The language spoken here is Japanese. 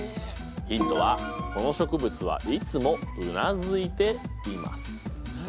ヒントはこの植物はいつもうなずいています。